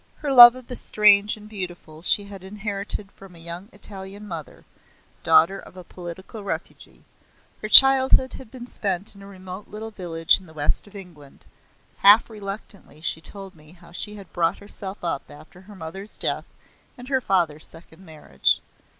Her love of the strange and beautiful she had inherited from a young Italian mother, daughter of a political refugee; her childhood had been spent in a remote little village in the West of England; half reluctantly she told me how she had brought herself up after her mother's death and her father's second marriage.